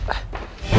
aku harus ke sana